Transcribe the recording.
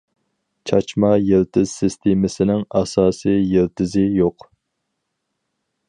چاچما يىلتىز سىستېمىسىنىڭ ئاساسى يىلتىزى يوق.